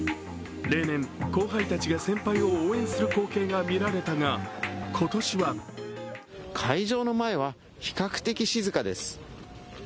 例年、後輩たちが先輩を応援する光景が見られたが、今年は会場の前は比較的静かです。